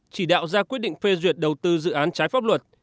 chỉ đạo ra quyết định phê duyệt đầu tư dự án trái pháp luật